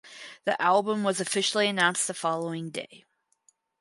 The album was officially announced the following day.